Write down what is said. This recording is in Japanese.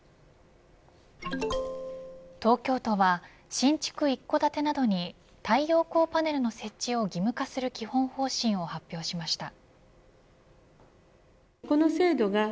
東京都は、新築一戸建てなどに太陽光パネルの設置を義務化する基本方針を発表しました。